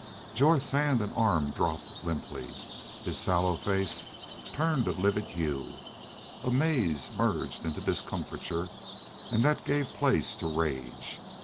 Jorth's hand and arm dropped limply. His sallow face turned a livid hue. Amaze merged into discomfiture and that gave place to rage.